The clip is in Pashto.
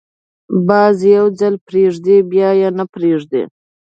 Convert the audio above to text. باز یو ځل پرېږدي، بیا یې نه پریږدي